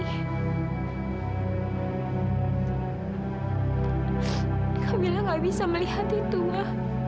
kamilah gak bisa melihat itu ma